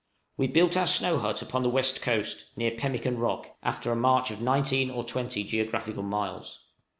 We built our snow hut upon the west coast, near Pemmican Rock, after a march of 19 or 20 geographical miles.